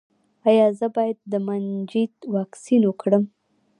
ایا زه باید د مننجیت واکسین وکړم؟